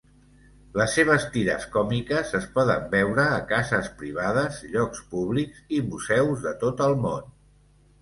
Les seves tires còmiques es poden veure a cases privades, llocs públics i museus de tot el món.